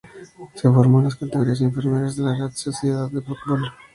Se formó en las categorías inferiores de la Real Sociedad de Fútbol.